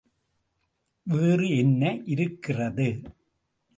வேறு என்ன இருக்கிறது?